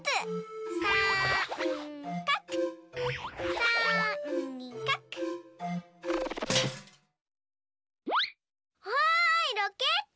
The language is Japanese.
わいロケット！